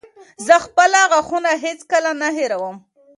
زه خپل غاښونه هېڅکله نه هېروم.